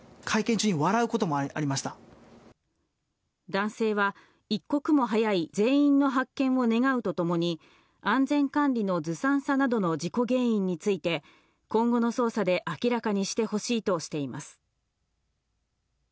男性は一刻も早い全員の発見を願うとともに、安全管理のずさんさなどの事故原因について、今後の捜査で明らかにしてほしいとしています。